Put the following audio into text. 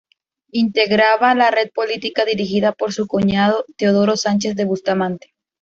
Integraba la red política dirigida por su cuñado Teodoro Sánchez de Bustamante.